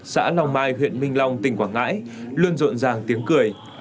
xã long mai huyện minh long tỉnh quảng ngãi luôn rộn ràng tiếng cười